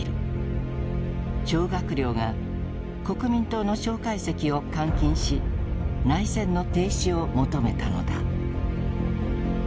張学良が国民党の蒋介石を監禁し内戦の停止を求めたのだ。